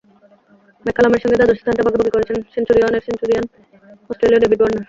ম্যাককালামের সঙ্গে দ্বাদশ স্থানটা ভাগাভাগি করছেন সেঞ্চুরিয়নের সেঞ্চুরিয়ান অস্ট্রেলীয় ডেভিড ওয়ার্নার।